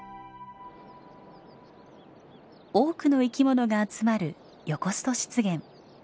多くの生き物が集まるヨコスト湿原。